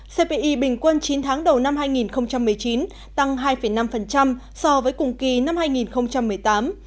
cpi bình quân chín tháng đầu năm hai nghìn một mươi chín tăng hai năm so với cùng kỳ năm hai nghìn một mươi tám